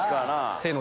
せの！